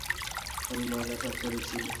আমি ময়লা সাফ করেছি।